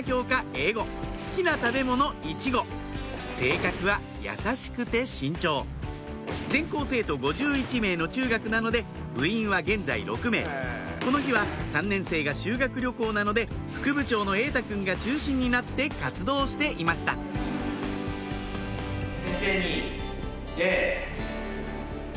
英語好きな食べ物イチゴ性格は優しくて慎重全校生徒５１名の中学なので部員は現在６名この日は３年生が修学旅行なので副部長の瑛太君が中心になって活動していました先生に礼。